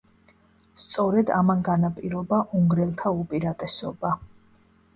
სწორედ ამან განაპირობა უნგრელთა უპირატესობა.